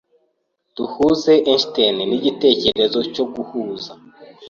Duhuza Einstein nigitekerezo cyo guhuza.